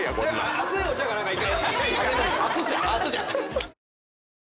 熱いお茶か何か１回。